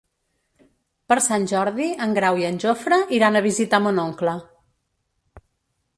Per Sant Jordi en Grau i en Jofre iran a visitar mon oncle.